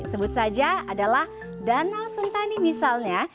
sebut saja adalah danau sentani misalnya